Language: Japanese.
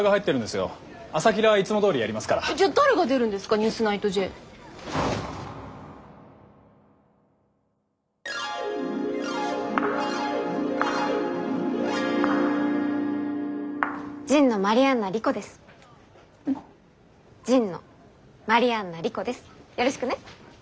よろしくね。